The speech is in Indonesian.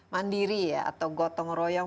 mandiri ya atau gotong royong